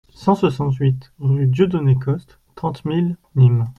cent soixante-huit rue Dieudonné Coste, trente mille Nîmes